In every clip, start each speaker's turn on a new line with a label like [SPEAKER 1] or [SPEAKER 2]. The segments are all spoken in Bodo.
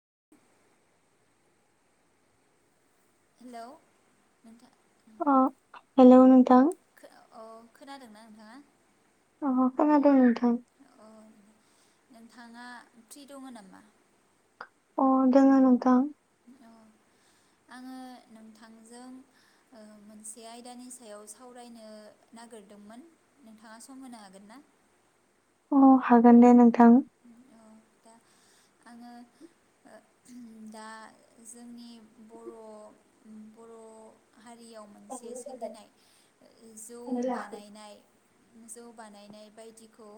[SPEAKER 1] [inaudible] हेल' नोंथां
[SPEAKER 2] अ हेलो नोंथां
[SPEAKER 1] अ खोनादोंना नोंथाङा?
[SPEAKER 2] अ खोनादों नोंथां।
[SPEAKER 1] औ नोंथाङा फ्रि दङ नामा?
[SPEAKER 2] अ दङो नोंथां
[SPEAKER 1] आङो नोंथांजों ओ मोनसे आयदानि सायाव सावरायनो नागिरदोंमोन नोंथाङा सम होनो हागोन ना?
[SPEAKER 2] अ हागोन दे नोंथां
[SPEAKER 1] औ दा आङो ओ उम दा जोंनि बर' बर' हारियाव
[SPEAKER 2] औ
[SPEAKER 1] मोनसे सोलिनाय जौ बानायनाय जौ बानायनाय बायदिखौ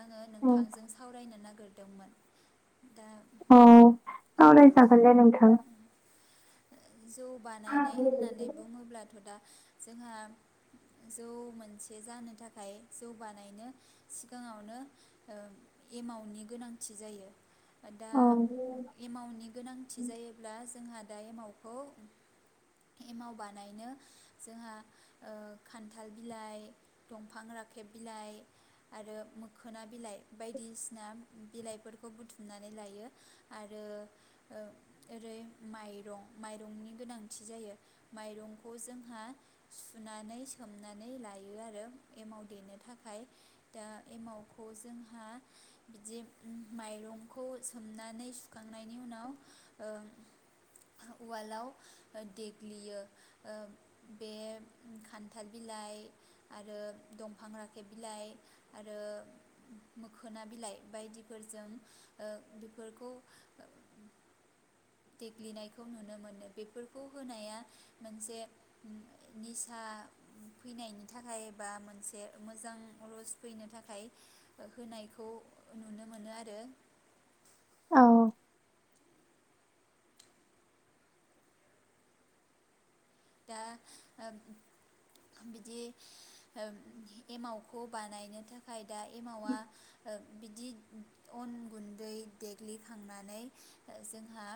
[SPEAKER 1] आङो नोंथांजों [unintelligible] नागोरदोंमोन
[SPEAKER 2] अ सावराय जागोन दे नोंथां
[SPEAKER 1] जौ
[SPEAKER 2] औ
[SPEAKER 1] बानायनाय होननानै बुङोब्लाथ' दा जोंहा जौ मोनसे जानो थाखाय जौ बानायनो सिगाङावनो ओम एमाउनि गोनांथि जायो दा
[SPEAKER 2] औ
[SPEAKER 1] एमावनि गोनांथि जायोब्ला जोंहा दा एमावखौ एमाव बानायनो जोंहा ओ खान्थाल बिलाइ दंफां राखेब बिलाइ आरो मोखोना बिलाइ बायदिसिना बिलाइफोरखौ बुथुमनानै लायो आरो औ ओरै माइरं माइरंनि गोनांथि जायो माइरंखौ जोंहा सुनानै सोमनानै लायो आरो एमाव देनो थाखाय दा एमावखौ जों हा बिदि माइरंखौ सोमनानै सुखांनायनि उनाव ओं उवालाव देग्लियो ओ बे खान्थाल बिलाइ आरो दंफां राखेब बिलाइ आरो मोखोना बिलाइ बायदिफोरजों ओ बेफोरखौ देग्लिनायखौ नुनो मोनो बेफोरखौ होनाया मोनसे निसा फैनायनि थाखाय बा मोनसे मोजां रस फैनो थाखाय होनायखौ नुनो मोनो आरो
[SPEAKER 2] औ
[SPEAKER 1] दा ओ बिदि होम एमावखौ बानायनो थाखाय दा एमावा ओ बिदि अन गुन्दै देग्लिखांनानै जोंहा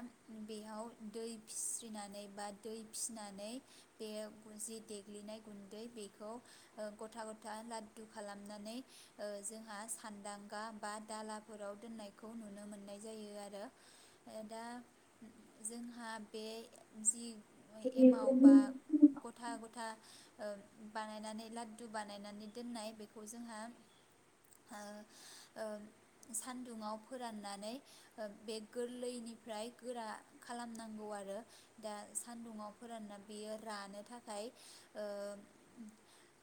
[SPEAKER 1] बेयाव दै फिस्रिनानै बा दै फिनानै बेयो जि देग्लिनाय गुन्दै बेखौ ओ गथा गथा लादु खालामनानै ओ जोंहा सान्दांगा बा दालाफोराव दोननायखौ नुनो मोननाय जायो आरो दा जोंहा बे जि एमाव बा
[SPEAKER 2] [unintelligible]
[SPEAKER 1] गथा गथा ओ बानायनानै लाददु बानायनानै दोननाय बेखौ जोंहा ओ ओ सान्दुुंआव फोराननानै बे गोरलैनिफ्राय गोरा खालामनांगौ आरो दा सान्दुङाव फोरानना बियो रानो थाखाय ओ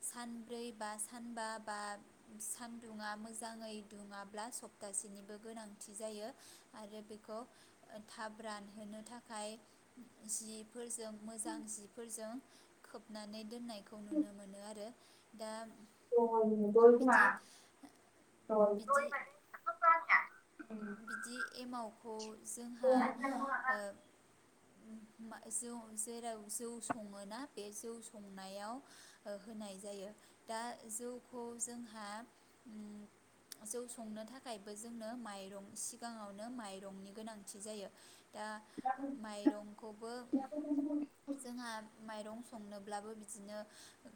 [SPEAKER 1] सानब्रै बा सानबा बा सानदुङा मोजाङै दुङाब्ला सप्तासेनिबो गोनांथि जायो आरो बिखौ थाब रानहोनो थाखाय जिफोरजों मोजां जि जिफोरजों खोबनानै दोननायखौ नुनो मोनो आरो दा बिदि बिदि
[SPEAKER 2] [unintelligible]
[SPEAKER 1] बिदि एमावखौ जोंहा ओ उम मा जौ जेराव जौ सङोना बे जौ संनायाव ओ होनाय जायो दा जौखौ जोंहा उम जौ संनो थाखायबो जोंनो माइरं सिगाङावनो माइरंनि गोनांथि जायो दा माइरंखौबो जोंहा माइरं संनोब्लाबो बिदिनो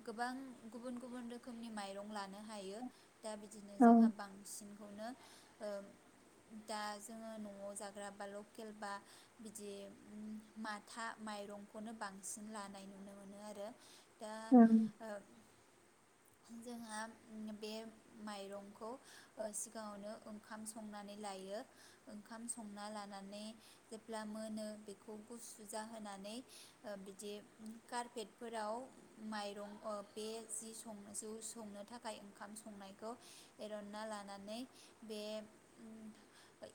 [SPEAKER 1] गोबां गुबुन गुबुन रोखोमनि माइरं लानो हायो दा बिदिनो जोंहा बांसिन खौनो ओ दा जोङो न'आव जाग्रा बा लकेल बा बिदि उम माथा माइरंखौनो बांसिन लानाय नुनो मोनो आरो दा जोंहा बे माइरंखौ ओ सिगाङावनो ओं खाम संनानै लायो ओंखाम संना लानानै जेब्ला मोनो बेखौ गुसु जाहोनानै ओ बिदि कारपेटफोराव माइरं ओ बे जि सं जौ संनो थाखाय ओंखाम संनायखौ एरनना लानानै बे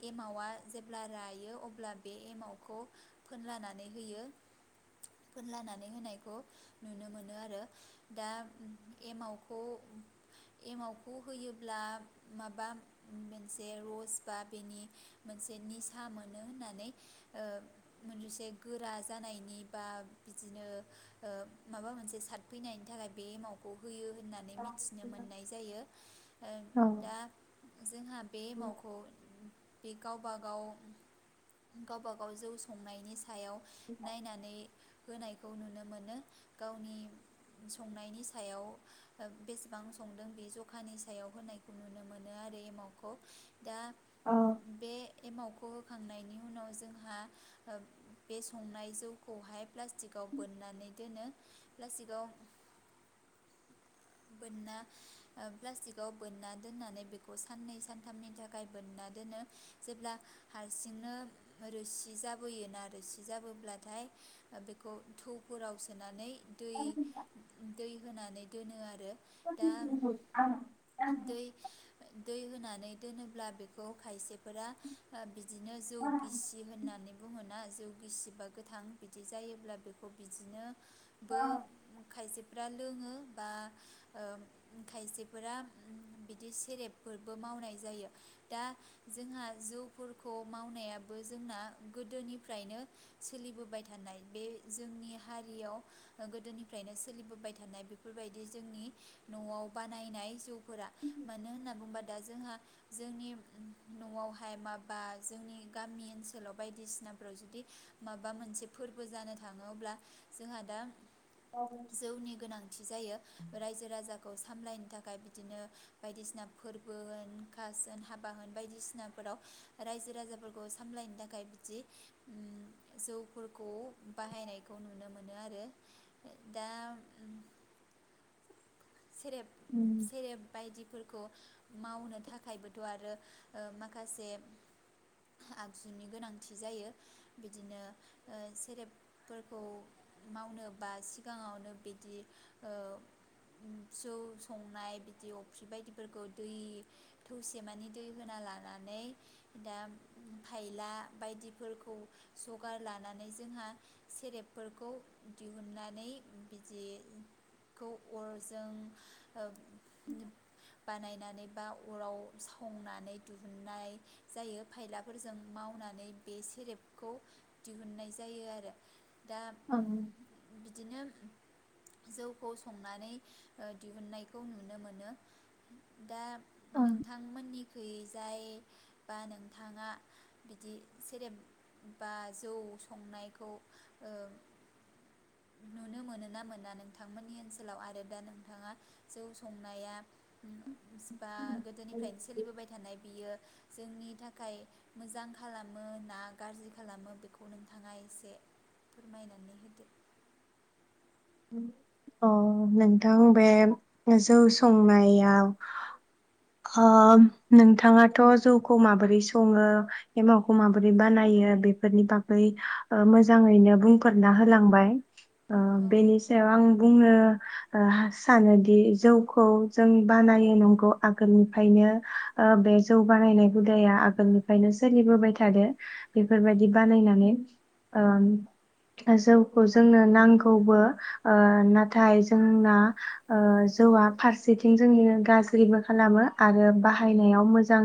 [SPEAKER 1] एमावा जेब्ला रायो अब्ला बे एमावखौ फोनलानानै होयो फोनलानानै होनायखौ नुनो मोनो आरो दा एमावखौ एमावखौ होयोब्ला माबा मेनस बे रस बा बेनि मोनसे निसा मोनो होननानै ओ मोनसे गोरा जानायनि बा बिदिनो ओ माबा मोनसे साद फैनायनि थाखाय बे एमावखौ होयो हो होननानै मिथिनो मोननाय ओम जायो दा जोंहा बे एमावखौ इ गावबागाव गावबागाव जौ संनायनि स सायाव नायनानै होनायखौ नुनो मोनो गावनि संनायनि सायाव ओ बेसेबां संदों बे जखानि सायाव होनायखौ नुनो मोनो आरो एमावखौ औ दा
[SPEAKER 2] औ
[SPEAKER 1] बे एमाव खौ होखांनायनि उनाव जोंहा ओ बे संनाय जौखौहाय प्लास्टिकआव बोननानै दोनो प्लास्टिकआव बोनना ओ प्लास्टिकआव बोनना दोननानै बेखौ साननानैस सानथामनि थाखाय बोनना दोनो जेब्ला हारसिंनो रोसि जाबोयोना रोसि जाबोब्लाथाय बेखौ थौ फोराव सोनानै दुइ
[SPEAKER 2] औ
[SPEAKER 1] दै होनानै दोनो आरो
[SPEAKER 2] ओं
[SPEAKER 1] दा आं
[SPEAKER 2] ओं अ
[SPEAKER 1] दै दै होनान नै दोनोब्ला बेखौ खायसे फोरा आ बिदिनो जौ
[SPEAKER 2] नोंथां
[SPEAKER 1] गिसि होननानै बुङोना जौ गिसिबा गोथां बिदि जायोब्ला बेखौ बिदिनो बो खायसे फ्रा लोङो बा ओ खायसेफोरा बिदि सेरेबफोरबो मावनाय जायो दा जोंहा जौफोरखौ मावनायाबो जोंना गोदोनिफ्रायनो सोलिबोबाय थानाय बे जोंनि हारियाव गोदोनिफ्रायनो सोलिबोबाय थानाय बेफोरबायदि जोंनि न'आव बानायनाय जौफोरा मानो होनना बुंबा दा जोंहा जोंनि न'आवहाय माबा जोंनि गामि ओनसोलाव बायदिसिनाफ्राव जुदि माबा मोनसे फोरबो जानो थाङोब्ला जोंहा दा जौनि गोनांथि जायो रायजो राजा खौ सामलायनो थाखाय बिदिनो बायदिसिना फोरबो होन कास होन हाबा होन बायदिसिनाफोराव रायजो राजाफोरखौ सामलायनो थाखाय बिदि ओम जौफोरखौ बाहायनायखौ नुनो मोनो आरो दा सेरेब उम सेरेब बायदिफोर खौ मावनो थाख खायबोथ' आरो ओ माखासे आगजुनि गोनांथि जायो बिदिनो ओ सेरेबफोरखौ मावनो बा सिगाङावनो बिदि ओ जौ संनाय बिदि अफ्रि बायदिफोरखौ दै थौसेमानि दै होना लानानै दा फायला बायदिफोरखौ जगार लानानै जोंहा सेरेबफोरखौ दिहुननानै बिदिखौ बो जों ओ बानायनानै बा अराव सावनानै दिहुननाय जायो फायलाफोरजों मावनानै बे सेरेपखौ दिहुननाय जायो आरो दा बिदिनो जौखौ संनानै ओ दिहुनन्नायखौ नुनो मोनो दा नोंथांमोननिखैयै जाय बा नोंथाङा बिदि सेरेब बा जौ संनायखौ ओ नुनो मोनो ना मोना नोंथांमोननि ओनसोलाव आरो दा नोंथाङा जौ संनाया बा गोदोनिफ्रायनो सोलिबोबाय थानाय बियो जोंनि थाखाय मोजां खालामो ना गाज्रि खालामो बेखौ नोंथाङा एसे फोरमायनानै होदो
[SPEAKER 2] अ नोंथां बे जौ संनायाव अ नोंथाङाथ' जौखौ माबोरै सङो एमावखौ माबोरै बानायो बेफोरनि बागै मोजाङैनो बुंफोरना होलांबाय्
[SPEAKER 1] अ नोंथां
[SPEAKER 2] बुंनो ओ सानोदि जौखौ जों बानायो नंगौ आगोलनिफ्रायनो ओ बे जौ बानायनाय हुदाया आगोलनिफ्रायनो सोलिबोबाय थादो बेफोरबायदि बानायनानै ओ जौखौ जोंनो नांगौबो ओ नाथाय जोंना ओ जौआ फारसेथिं जोंनि गाज्रिबो खालामो आरो बाहायनायाव मोजां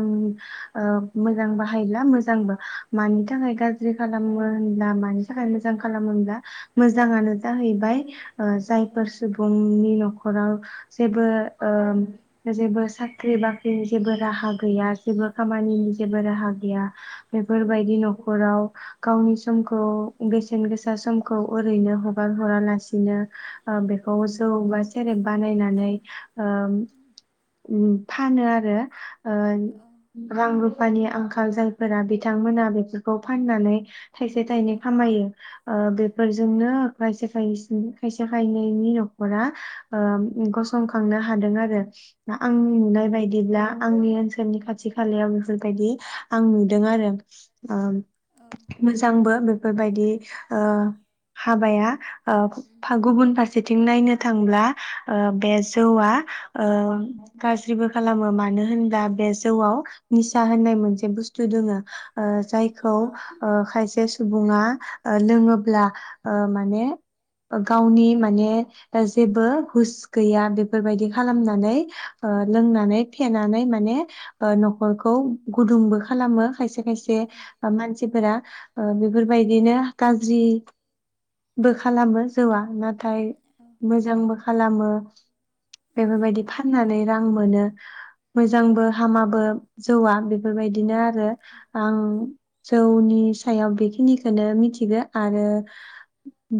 [SPEAKER 2] ओ मोजां बाहायोब्ला मोजांबो मानि थाखाय गाज्रि खालामो होनब्ला मानि थाखाय मोजां खालामो होनब्ला मोजाङानो जाहैबाय ओ जायफोर सुबुंनि न'खराव जेबो ओ जेबो साख्रि बाख्रिनि जेबो राहा गैया जेबो खामानिनि जेबो राहा गैया बेफोरबायदि न'खराव गावनि समखौ बेसेन गोसा समखौ ओरैनो हगार हरा लासिनो औ बेखौ जौ बा सेरेब बानायनानै ओ उ फानो आरो ओ
[SPEAKER 1] औ
[SPEAKER 2] रां रुफानि आंखाल जों फोरा बिथांमोना बेफोरखौ फाननानै थाइसे थाइनै खामायो ओ बेफोरजोंनो खायसे खायसे खायसे खायनैनि न'खरा ओ गसंखांनो हादों आरो ना आंनि
[SPEAKER 1] औ
[SPEAKER 2] नुनाय बायदिब्ला आंनि ओनसोलनि खाथि खालायाव बेफोर बायदि आं नुदों आरो ओ
[SPEAKER 1] औ
[SPEAKER 2] मोजांबो बे बेफोरबायदि ओ हाबाया
[SPEAKER 1] उम
[SPEAKER 2] औ गुबुन फारसेथिं नायनो थांब्ला ओ बे जौआ ओ गाज्रिबो खालामो मानो होनब्ला बे जौआव निसा होननाय मोनसे बुस्थु दङो ओ
[SPEAKER 1] औ
[SPEAKER 2] जायखौ ओ खायसे सुबुङा लोङोब्ला ओ माने गावनि माने जेबो हुस गैया बेफोरबायदि खालामनानै ओ लोंनानै फेनानै माने ओ न'खरखौ गुदुंबो खालामो खायसे खायसे अ मानसिफोरा अ बेफोरबायदिनो गाज्रि बो खालामो जौआ बाद नाथाय मोजांबो खालामो [inaudible] बेफोरबायदि फाननानै रां मोनो मोजांबो हामाबो जौवा बेफोरबायदिनो आरो जे आं जौनि सायाव बेखिनिखौनो मिथिगौ आरो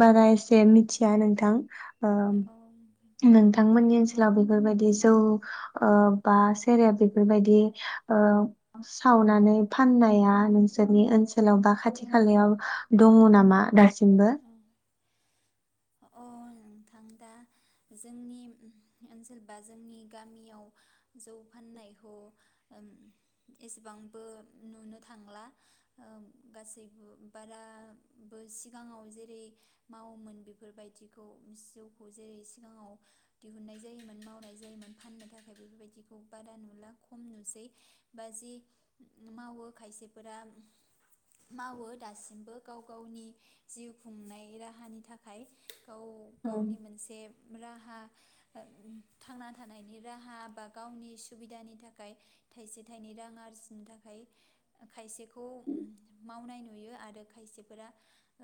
[SPEAKER 2] बारा एसे मिथिया नोंथां ओम
[SPEAKER 1] औ
[SPEAKER 2] नोंथांमोननि ओनसोलाव बेफोरबायदि जौ ओ बा सेरेब बेफोरबायदि ओ सावनानै फाननाया नोंसोरनि ओनसोलाव बा खाथि खालायाव दङ नामा दासि सिमबो
[SPEAKER 1] नंगौ औ अ नोंथां दा जोंनि ओनसोल बा जोंनि गामियाव जौ फाननायखौ उम एसेबांबो नुनो थांला ओ गासैबो बाराबो सि सिगाङाव जेरै मावोमोन बेफोरबायदिखौ जौखौ जेरै सिगाङाव दिहुननाय जायोमोन मावनाय जायोमोन फाननो थाखाय बेफोरबायदिखौ बारा नुला खम नुसै बा जि मावो खायसेफोरा मावो दासिमबो गाव गावनि गावनि जिउ खुंनाय राहानि थाखाय ओ गावनि मोनसे रा हा थांना थानायनि राहा बा गावनि सुबिदानि थाखाय थायसे थाइनै रां आरजिनो थाखाय खायसेखौ मावनाय नुयो आरो खायसेफोरा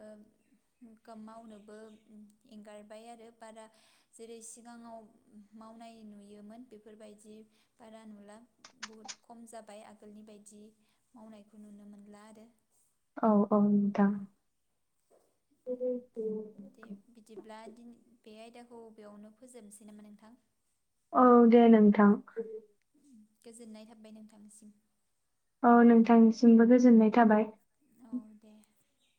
[SPEAKER 1] ओं कम मावनोबो एंगारबाय आरो बारा जेरै सिगाङाव मावनाय नुयोमोन बेफोरबायदि बारा नुला बहुद खम जाबाय आगोलनि बायदि मावनायखौ नुनो मोनला आरो
[SPEAKER 2] औ औ नोंथां
[SPEAKER 1] दे बिदिब्ला दिनै बे आयदाखौ बेयावनो फोजोबनोसै नामा नोंथां।
[SPEAKER 2] औ दे नोंथां
[SPEAKER 1] गोजोननाय थाबाय नोंथांनिसिम।
[SPEAKER 2] औ नोंथांनिसिमबो गोजोननाय थाबाय
[SPEAKER 1] औ दे
[SPEAKER 2] [inaudible]